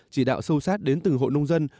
chỉ đạo sâu sát đến từng hộ nông dân